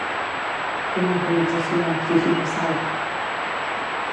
Quina organització ha exigit l'assalt?